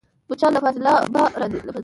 مچان له فاضلابه راځي